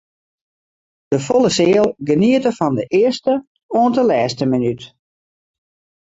De folle seal geniete fan de earste oant de lêste minút.